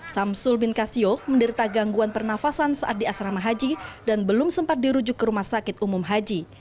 samsul bin kasio menderita gangguan pernafasan saat di asrama haji dan belum sempat dirujuk ke rumah sakit umum haji